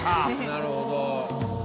なるほど。